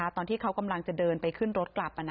ตอนที่เขากำลังจะเดินไปขึ้นรถกลับ